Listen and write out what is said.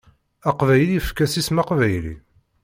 Aqbayli efk-as isem aqbayli.